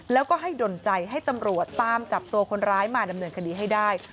แล้วก็ให้ดนใจให้ตำรวจตามจับตัวคนร้ายมาดำเนินคดีให้ได้